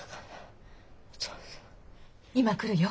今来るよ。